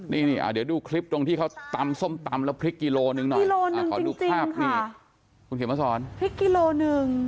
ขอดูภาพคุณเขียนมาสอน